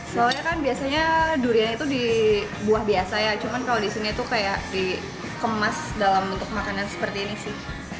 soalnya kan biasanya durian itu di buah biasa ya cuman kalau di sini tuh kayak dikemas dalam bentuk makanan seperti ini sih